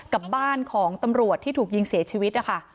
กับบ้านของตำรวจที่ถูกยิงเสียชีวิตนะคะ